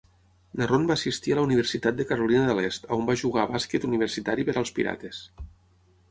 Narron va assistir a la Universitat de Carolina de l'Est, on va jugar a bàsquet universitari per als Pirates.